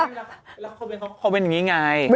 แล้วเขาเป็นอย่างนี้ไง